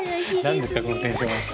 何ですかこのテンション。